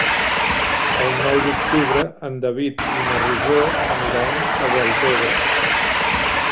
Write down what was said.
El nou d'octubre en David i na Rosó aniran a Deltebre.